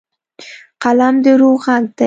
قلم د روح غږ دی.